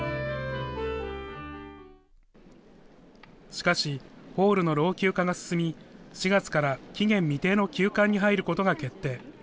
しかし、ホールの老朽化が進み、４月から期限未定の休館に入ることが決定。